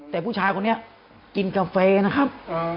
แต่ผู้ชายคนนี้กินกาแฟนะครับ